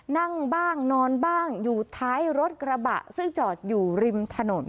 นั่งบ้างนอนบ้างอยู่ท้ายรถกระบะซึ่งจอดอยู่ริมถนน